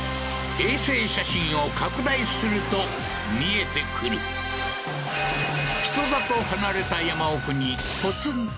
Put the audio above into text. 衛星写真を拡大すると見えてくる人里離れた